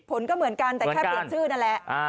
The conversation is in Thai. ผลก็เหมือนกันแต่แค่เปลี่ยนชื่อนั่นแหละ